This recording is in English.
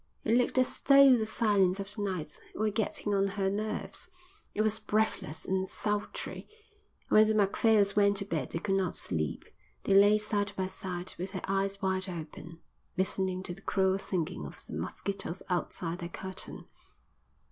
It looked as though the silence of the night were getting on her nerves. It was breathless and sultry. When the Macphails went to bed they could not sleep. They lay side by side with their eyes wide open, listening to the cruel singing of the mosquitoes outside their curtain.